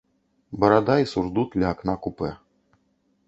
Барада і сурдут ля акна купе.